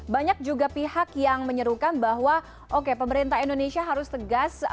banyak juga pihak yang menyerukan bahwa oke pemerintah indonesia harus tegas